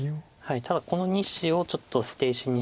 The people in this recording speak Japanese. ただこの２子をちょっと捨て石にして。